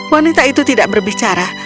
wanita itu tidak berbicara